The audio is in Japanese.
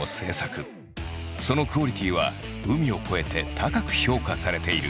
そのクオリティーは海を越えて高く評価されている。